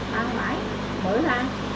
mỗi lần mỗi lần